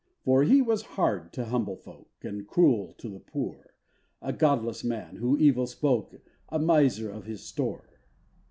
For he was hard to humble folk, And cruel to the poor, A godless man, who evil spoke, A miser of his store.